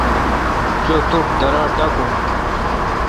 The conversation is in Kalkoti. چو۔ تو ٹھ۔ درا تہ ٹاکون۔